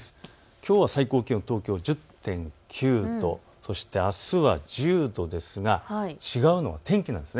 きょうは最高気温、東京、１０．９度、そしてあすは１０度ですが違うのは天気なんです。